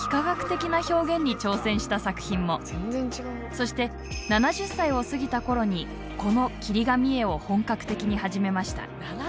そして７０歳を過ぎた頃にこの切り紙絵を本格的に始めました。